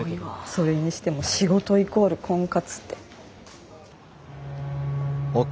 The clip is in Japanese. それにしても仕事イコール婚活って。